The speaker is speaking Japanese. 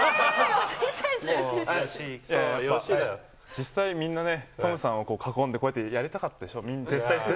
実際みんなね、トムさんを囲んでこうやってやりたかったでしょ。